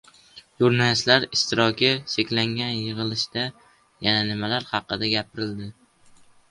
Jurnalistlar ishtiroki cheklangan yig‘ilishda yana nimalar haqida gapirildi?